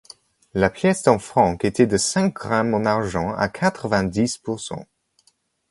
La pièce d'un franc était de cinq grammes en argent à quatre-vingt-dix pour cent.